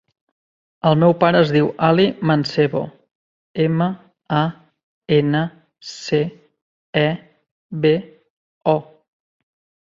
El meu pare es diu Ali Mancebo: ema, a, ena, ce, e, be, o.